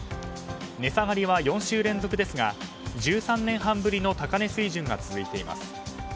値下がりは４週連続ですが１３年半ぶりの高値水準が続いています。